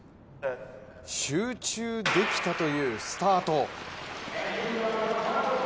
集中できたというスタート。